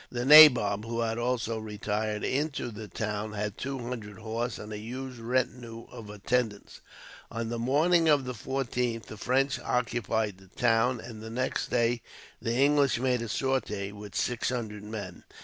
The nabob, who had also retired into the town, had two hundred horse and a huge retinue of attendants. On the morning of the 14th the French occupied the town, and the next day the English made a sortie, with six hundred men.